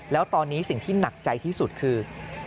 แล้วตอนนี้สิ่งที่หนักใจที่สุดคือ